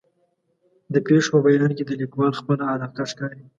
د پېښو په بیان کې د لیکوال خپله علاقه ښکاري.